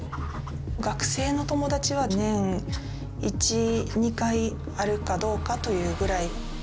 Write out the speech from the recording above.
学生の友達は年１２回あるかどうかというぐらい。